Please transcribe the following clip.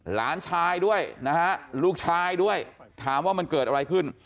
หลานชายด้วยนะฮะลูกชายด้วยถามว่ามันเกิดอะไรขึ้น